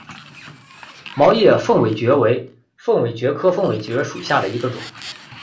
毛叶凤尾蕨为凤尾蕨科凤尾蕨属下的一个种。